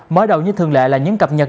mới đầu như thường lệ là những cập nhật